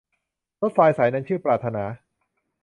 รถไฟสายนั้นชื่อปรารถนา